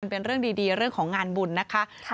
เป็นเรื่องดีเรื่องของงานบุญนะคะ